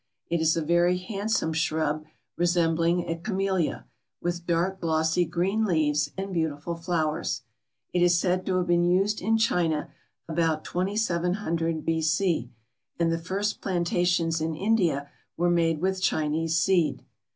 It is a very handsome shrub resembling a camellia, with dark, glossy, green leaves and beautiful flowers. It is said to have been used in China about 2700 B.C., and the first plantations in India were made with Chinese seed.